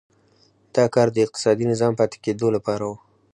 دا کار د اقتصادي نظام پاتې کېدو لپاره و.